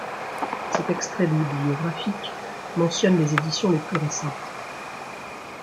Cet extrait bibliographique mentionne les éditions les plus récentes.